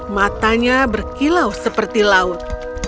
matanya berkilau seperti laut